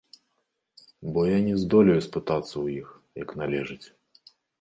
Бо я не здолею спытацца ў іх, як належыць.